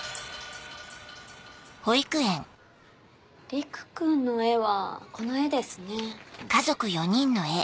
陸君の絵はこの絵ですね。